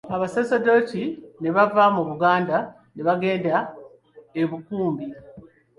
Abasaserdoti ne bava mu Buganda ne bagenda e Bukumbi.